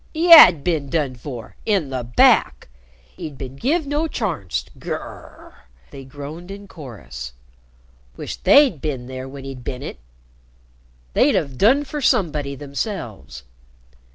He had "bin 'done for' in the back! 'E'd bin give' no charnst. G r r r!" they groaned in chorus. "Wisht" they'd "bin there when 'e'd bin 'it!" They'd "'ave done fur somebody" themselves.